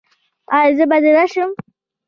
ایا زه باید راشم؟